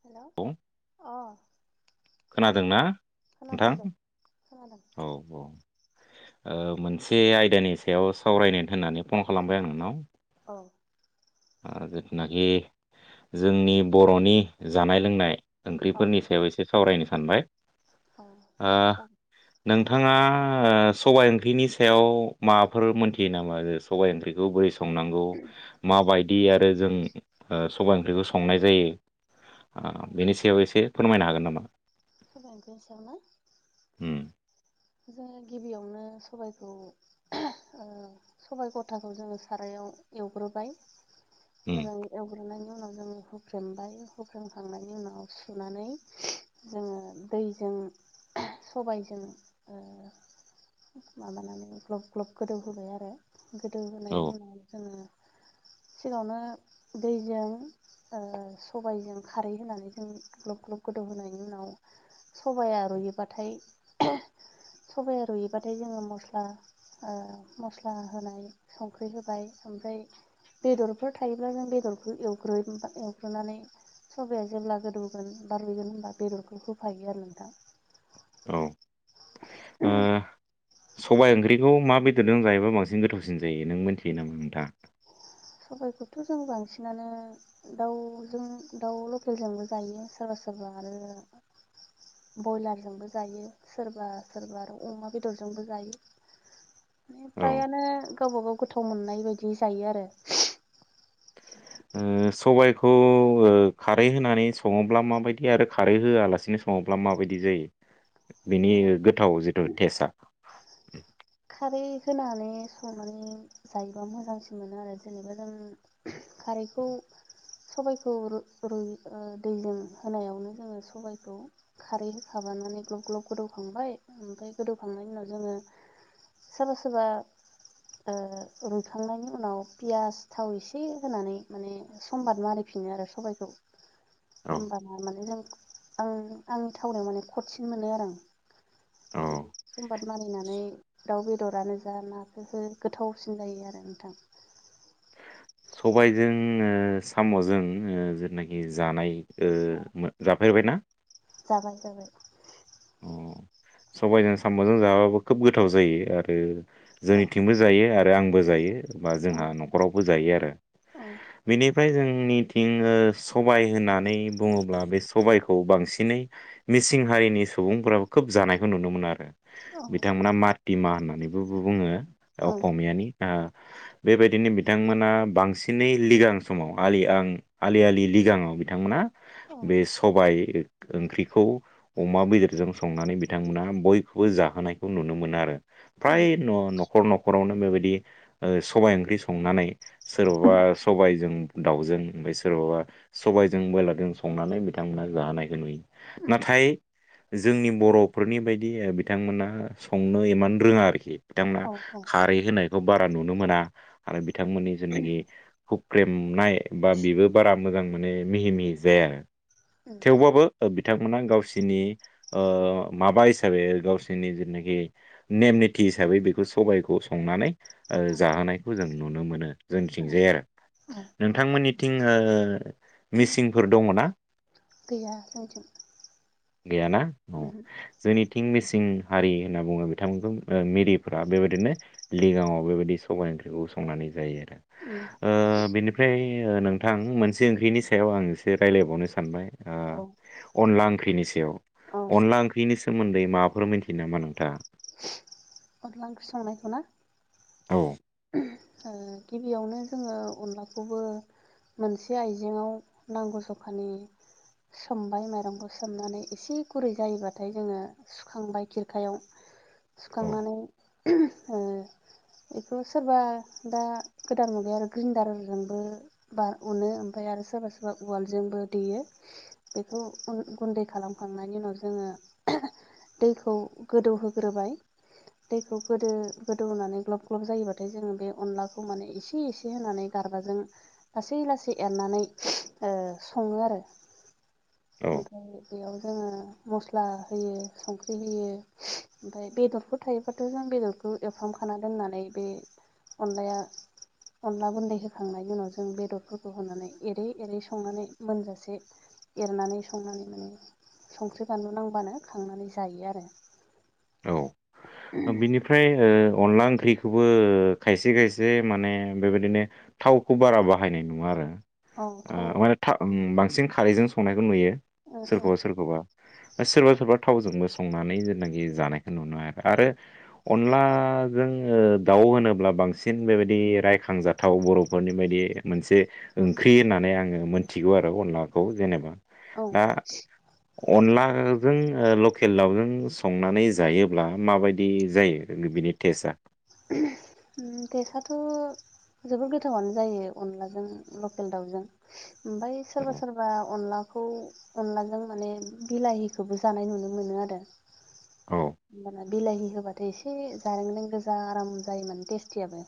Hello औ अ खोनादोंना नोंथां खोनादों दे खोनादों औ औ मोनसे आयदानि सायाव सावरायनाय होननानै फन खालामबाय आं नोंनाव। औ जिथुनाखि जोंनि बर'नि जानाय लोंनाय औ ओंख्रिफोरनि सायाव एसे सावरायनो सानबाय औ दे ओ नोंथाङा सबाय ओंख्रिनि सायाव माबाफोर मोनथियो नामा सबाइ ओंख्रिखौ बोरै संनांगौ माबाय दि आरो जों सबाय ओंख्रिखौ संनाय जायो बेनि सायाव एसे फोरमायनो हागोन नामा? सबाय ओंख्रि संनाय उम जोङो गिबियावनो सबखौ सबाइ गथाखौ जोङो सारायाव एवग्रोबाय उम मोजाङै एवग्रोनानै उनाव जोङो हुफ्र्रेमबाय हुफ्र्रेमखांनायनि उनाव सुनानै जोङो दैजों सबायजों ओ माबानानै ग्लब ग्लब गोदौहोबाय आरो गोदौ औ होनोनायनि उनाव जोङो [unintelligible] सिगाङावनो दैजों ओ सबायाइजों खारै होनानै जों ग्लब ग्लब गोदौहोनायनि उनाव सबाया रुइयोबाथाय सबाया रुइयोबाथाय जोङो मस्ला ओ मस्ला होनाय संख्रि होबाय ओमफ्राय बेदरफोर थायोब्ला जों बेदरखौ एवग्रोयो एवग्रोनानै सबाया जेब्ला गोदौगोन बा रुइगोन होनबा बेदरखौ होफायो आरो नोंथां। औ ओ सबाइ ओंख्रिखौ मा बेदरजों जायोबा बांसिन गोथावसिन जायो नों मिथियो नामा नोंथाङा? सबाइखौथ' जों बांसिनानो दाउजों दाउ लकेलजोंबो जायो सोरबा सोरबा बा आरो ब्रयलारजोंबो जायो सोरबा सोरबा आरो अमा बेदरजोंबो जायो। [inaudible] फ्रायानो गावबा गाव गोथाव मोननाय बायदि जायो आरो। ओ सबाइखौ खारै होनानै सङोब्ला माबायदि आरो खारै होआलासिनो सङोब्ला माबायदि दि जायो बिनि गोथाव जिथु टेस्टआ? खारै होनानै संनानै जायोबा मोजांसिन मोनो आरो जेनेबा जों खारै बेखौ सबाइखौ रु ओ दैजों होनायावनो जोङो सबाइखौ खारै होखाबाय लानानै ग्लब ग्लब गोदौखांबाय ओमफ्राय गोदौखांनायनि उनाव जोङो [inaudible] सोरबा सोरबा ओ रुइखांनायनि उनाव पियास थाव एसे होनानै माने संबाद मारि बिनो आरो सबाइखौ औ होनबाना माने जों आं आंनि थावनायाव माने कसिन मोनो आरो आं। औ संबाद मानिनानै दाउ बेदरानो जा नाफोर हो गोथावसिन जायो आरो नोंथां। सबाइजों ओ साम'जों ओ जेनाखि जानाय ओ जाफेर जाफेबाय ना? जाबाय जाबाय। सबाइजों साम'जों जाबाबो खोब गोथाव जायो आरो औ जोंनिथिंबो जायो आरो आंबो जायो बा औ जोंहा न'खरावबो जायो आरो औ बिनि फ्राय जोंनिथिं सबाइ होननानै बुङोब्ला बे सबाइखौ बांसिनै मिसिं हारिनि सुबुंफोराबो खोब जानायखौ नुनो मोनो आरो बिथांमोना मातिमा होननानैबो बुङो औ अकमियानि आ बेबायदिनो बिथांमोना बांसिनै लिगां समाव आलि आं आलि आलि लिगाङाव बिथांमोन औ बे सबाइ ओंख्रिखौ अमा बेदर जों संनानै बिथांमोना बयखौबो जाहोनायखौ नुनो मोनो आरो फ्राय उम न'खर न'खरावनो बेबायदि सबाइ ओंख्रि संनानै सोरबाबा सबाइजों दाउजों ओमफ्राय सोर बा सबाइजों ब्रयलारजों संनानै बिथांमोना जाहोनायखौ नुयो उम नाथाय जोंनि बर'फोरनि बायदि बिथांमोना संनो इमान रोङा आरोखि बिथांमोनहा औ औ खारै होनाय खौ बारा नुनो मोना आरो बिथांमोननि जेनाखि खुख्रेमनाय बा बेबो बारा मोजां मोजां माने मिहि मिहि जाया आरो उम थेवबाबो बिथांमोना गावसिनि माबा हिसाबै गावसिरनि जेनाखि नेम निथि हिसाबै बेखौ सबाइखौ सङो उम जाहोनायखौ जों नुनो मोनो उम जोंथिंजाय आरो उम नोंथांमोननिथिं मिसिंफोर दङ ना? गैया जोंनिथिं। गैयाना अ जोंनि थिं मिसिं हारि होनना बुङो बिथांमोनखौ मिरिफोरा बेबायदिनो लिगाङाव बेबायदि सबाइ ओंख्रिखौ संनानै जायो आरो उम बेनिफ्राय नोंथां मोनसे ओंख्रिनि सायाव आं एसे रायज्लायबावनो सानबाय औ अनला ओंख्रिनिसै औ अनला ओंख्रिनि सोमोन्दै माबाफोर मिथियो नामा नोंथाङा? अनला ओंख्रि संनायखौ ना? औ गिबियावनो जोङो अनलाखौबो मोनसे आइजेंआव नांगौ जखानि सोमबाय माइरंखौ सोमनानै एसे गुरै जायोबाथाय जोङो सुखांबाय खिरखायाव [unintelligible] सुखांनानै ओ [unintelligible] बेखौ सोरबा दा गोदान मुगाया आरो ग्रिडारजोंबो बार अनो ओमफ्राय आरो सोरबा सोरबा उवालजोंबो देयो बेखौ गुन्दै खालामखांनायनि उनाव जोङो दैखौ गोदौहोग्रोबाय दैखौ गोदो गोदौ होनानै ग्लब ग्लब जायोबाथाय जोङो बे अनलाखौ माने एसे एसे होनानै गारबा जों लासै लासै एरनानै सङो आरो। [inaudible] ओमफ्राय बेयाव जोङो मस्ला होयो संख्रि होयो ओमफ्राय बेदरफोर थायोबथ' जों बेदरखौ एरफ्रामख खान दोननानै बे अनलाया अनला गुन्दै होखांनायनि उनाव जों बेदरफोरखौ होनानै एरै एरै संनानै मोनजासे एरनानै संनानै माने संख्रि बानलु नांबानो खांनानै जायो आरो औ बिनिफ्राय अनला ओंख्रिखौबो खायसे खायसे माने बेबायदिनो थावखौ बारा बाहायनाय नङा आरो औ माने बांसिन खारैजों संनायखौ नुयो सोरखौबा थाव सोरखौबा सोरबा सोरबा थावजोंबो संनानै जेनाखि जानायखौ नुनो हाखै आरो अनलाजों दाउ होनोब्ला बांसिन बेबायदि रायखांजाथाव बर'फोरनि बायदि मोनसे ओंख्रि होननानै आङो मोनथिगौ आरो अनलाखौ जेनेबा औ दा अनलाजों लकेल दउजों संनानै जायोब्ला माबायदि जायो बिनि टेस्टआ गेसआथ' जोबोर गोथावानो जायो अनलाजों लकेल दाउजों ओमफ्राय सोरबा औ सोरबा अनला बेखौ अनलाजों माने बिलाहिखौबो जानाय नुनो मोनो आरो औ होमबाना बिलाहि होबथाय एसे जानो गो फा आराम जायो माने टेस्टियाबो।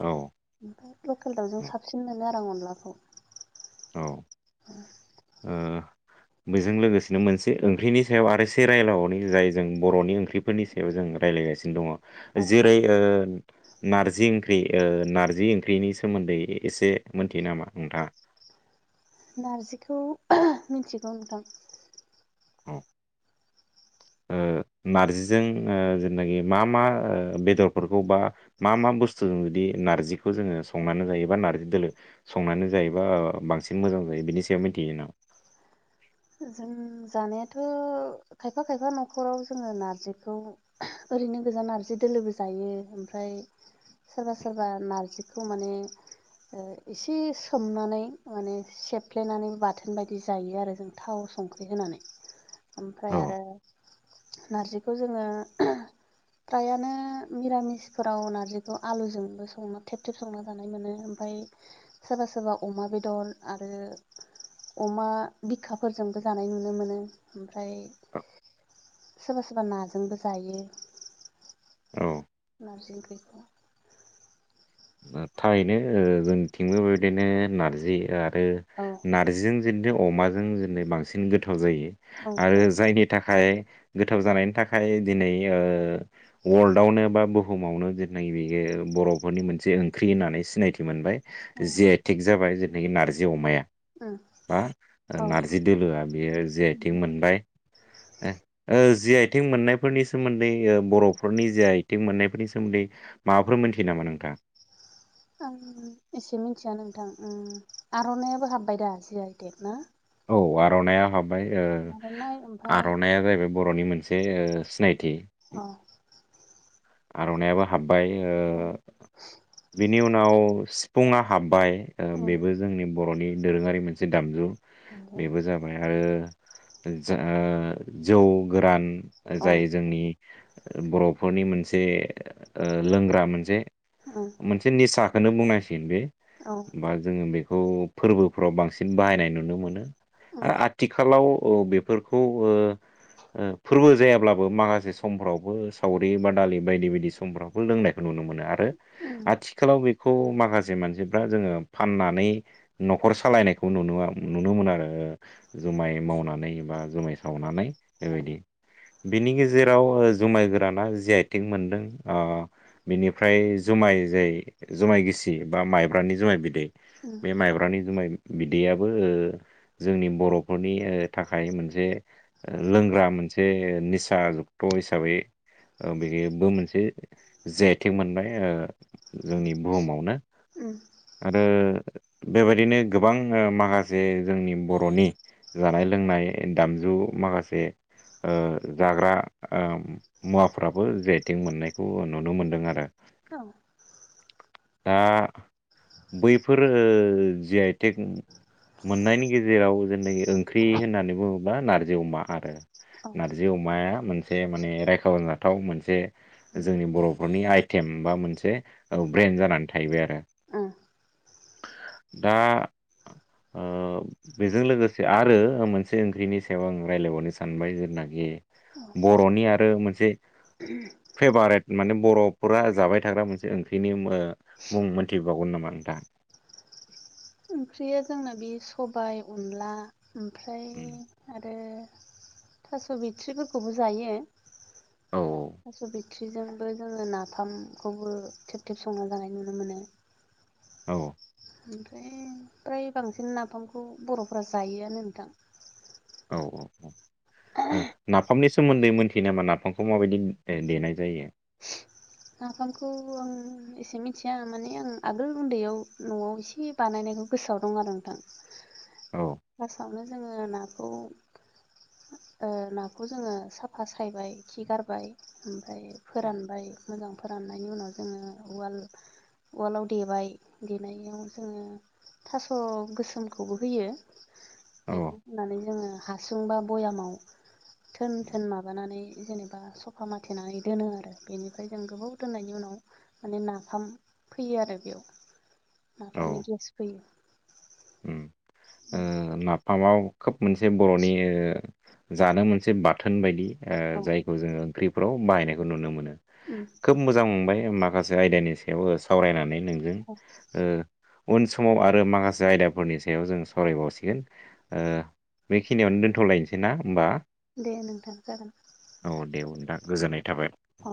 औ ओमफफ्राय लकेल दाउजों साबसिन मोनो आरो आं अनलाखौ औ बेजों लोगोसेनो मोनसे ओंख्रिनि सायाव आरो से रायलावनि जाय जों बर'नि ओंख्रिफोरनि सायाव जों रायज्लायगासिनो दङ जेरै नारजिं ओंख्रि नारजि ओंख्रिनि सोमोन्दै एसे मोनथियो नामा नोंथाङा नारजिखौ मिथिगौ नोंथां ओ नारजिजों जेनाखि मा मा बेदरफोरखौ बा मा मा बुस्थुजों जुदि नारजिखौ जोङो संनानै जायोबा नारजि दोलो संनानै जायोबा बांसिन मोजां जायो बेनि सायाव [inaudible] जों जानायाथ' खायफा खायफा न'खराव जोङो नारजिखौ ओरै बिदिनो गोजान नारजि दोलोबो जायो ओमफ्राय सोरबा सोरबा नारजिखौ माने एसे सोमनानै माने सेफ्लेनानै बाथोन बायदि जायो आरो जों थाव संख्रि होनानै ओमफ्राय औ आरो, नारजिखौ जोङो फ्रायानो मिरामिसफोराव नार्जिखौ आलुजोंबो संना थेब -थेब संना जानाय मोजां मोनो। सोरबा सोरबा अमा बेदर आरो अमा बिखाफोर,, फोरजोंबो जानाय नुनो मोनो ओमफ्राय,, सोरबा सोरबा नाजोंबो जायो। औ नारजि ओंख्रिखौ। थारैनो जोंनिथिंबो बेबायदिनो नारजि आरो औ नारजिजों,, बिदिनो अमाजों जेनबा बांसिन गोथाव जायो औ आरो जायनि थाखाय,, गोथाव जानायनि थाखाय दिनै ओ वर्ल्डआवनो बा बुहुमावनो दिेनै जायो। बर'फोरनि मोनसे ओंख्रि,, ओंख्रि होननानै सिनायथि मोनबाय औ जि आइ टेक जाबाय जेनाखि नारजि अमाया बा, औ नारजि दोलोआ बेयो जि आइ टेक मोनबाय जि आइ टेक मोननायफोरनि सोमोन्दै बर'फोरनि जि आ टेक मोननायफोरनि सोमोन्दै माबाफोर मोनथियो नामा नोंथाङा आं एसेबां मिथिया नोंथां आर'नायइाबो हाबबाय दा जि आइ टेक ना? औ आर'नाइया हाबबाय ओ आर'नाइ ओमफाय आर'नाइआ जाहैबाय बर'नि मोनसे सिनायथि। औ! आर'नायइाबो औ हाब्बायओ बिनि उनाव सिकुड़ना हाब्बाय। उम बेबो जोंनि बर'फोनि दोरोङारि मोनसे दामजु बेबो जाबाय आरो जौ गोरान औ जाय जोंनि,, बर'फोरनि मोनसे लोंग्रा मोनसे उम ओ लोंग्रा मोनसे निसा। खौनो बुंनांसिगोन बे, औ बा जोङो बेफोरखौ फोरबोफ्राव बांसिन बाहायनाय नुनो मोनो उम आरो आथिखालाव बेफोरखौ ओ फोरबो जायाब्लाबो माखासे समफ्रावबो सावरि -बादालि बायदि बायदि समफ्रावबो लोंनायखौ नुनो मोनो। आरो उम आथिखालाव बे खौ माखासे मानसिफ्रा जोङो फाननानै न'खर सालायनायखौ नुनो मोनो आरो। जुमाय मावनानै बा जुमाय सावनानै, औ बेबायदि। बिनि गेजेराव जुमाय गोराना जे आइ टेक मोनदों आ,, बिनिफ्राय जुमाय जाय जुमाय गिसि बा माइब्रानि जुमाय बिदै उम बे माइब्रानि जुमाय बिदैयाबो ओ,,, जोंनि बर'फोरनि थाखाय मोनसे लोंग्रा मोनसे निसा जुक्त' हिसाबै बेबो मोनसे जि आइ थेक मोनबाय ओ जोंनि बुहुमावनो उम आरो,, बेबायदिनो गोबां माखासे जोंनि बर'नि जानाय लोंनाय दामजु माखासे,, जाग्रा मुवाफोर फ्राबो जि आइ थेक मोननायखौ नुनो मोन्दों आरो औ दा बैफोरो जि आइ टेक मोननायनि गेजेराव जेन ओंख्रि होननानै बुङोब्ला- नारजि अमा आरो औ नारजि अमाया मोनसे माने रायखांबोनाय जादों गोथाव मोनसे उम जोंनि बर'फोरनि आइटेम बा मोनसे ब्रेन्ड जानानै थाहैबाय आरो। उम [inaudible] ओ बेजों लोगोसे आरो मोनसे ओंख्रिनि सायाव आं रायज्लायबावनो सानबाय जेनाखि,, बर'नि आरो मोनसे [unintelligible] फेभारेट माने बर'फोरा जाबाय थाग्रा मोनसे ओंख्रिनि मुं मोनथिबावगोन नामा नोंथाङा? [unintelligible] ओंख्रिया जोंना बे सबाय अनला ओमफ्राय आरो थास' बिथ्रिफोरखौबो जायो औ [unintelligible] ओंख्रिजोंबो जों नाफामखौबो थेब थेब संना जानाय नुनो मोनो औ ओमफ्राय फ्राय बांसिन नाफामखौ बर'फोरा जायोआनो नोंथां औ औ औ ओ नाफामनि सोमोन्दै मोनथियो नामा नाफामखौ माबायदि देनाय जायो [inaudible] नाफामखौ आं एसे मिथिया माने आं आगोल उन्दैयाव न'आव एसे बानायनायखौ गोसोआव दं आरो नोंथां औ फस्टआवनो जों नाखौ औ नाखौ जों साफा सायबाय खि गारबाय उम ओ फोरानबाय मोजां फोराननायनि उनाव जोङो उाल उवालाव देबाय देनायाव जोङो थास' गोसोमखौबो होयो औ बेखौ माने जों हासुं बा भयामाव थोन थोन माबानानै जेनेबा सफा माथेनानै दोनो आरो बेनि ओमफ्राय जों गोबाव दोननायनि उनाव माने नाफाम फैयो आरो बेयाव औ नाफामनि गेस फैयो उम ओ नाफामाव खोब मोनसे बर'नि ओ जानो मोनसे बाथोन बायदि औ जायखौ जों ओंख्रिफ्राव बाहायनायखौ नुनो मोनो खोब मोजां मोनबाय माखासे आयदानि सायावबो सावरायनानै नोंजों औ उन समाव आरो माखसे आयदा हरनि सायाव जों सावरायबावसिगोन ओ बेखिनियावनो दोनथ'लायनोसै ना होमबा दे नोंथां जागोन दा गोजोननाय थाबाय अ